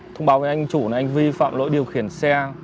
thông báo với anh chủ là anh vi phạm lỗi điều khiển xe